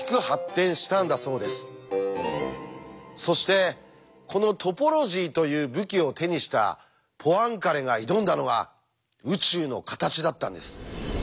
そしてこのトポロジーという武器を手にしたポアンカレが挑んだのが宇宙の形だったんです。